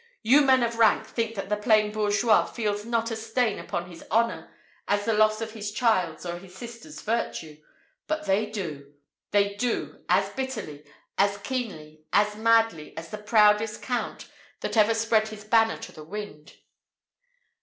"You men of rank think that the plain bourgeois feels not such a stain upon his honour as the loss of his child's or of his sister's virtue. But they do they do, as bitterly, as keenly, as madly, as the proudest count that ever spread his banner to the wind."